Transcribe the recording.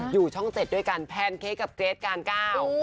อยู่ช่องเจ็ดด้วยกันแพนเค้กกับเกรทการเก้า